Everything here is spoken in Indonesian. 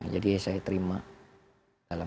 jadi saya terima